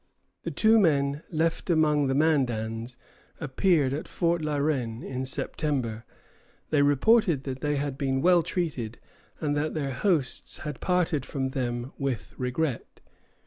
The two men left among the Mandans appeared at Fort La Reine in September. They reported that they had been well treated, and that their hosts had parted from them with regret.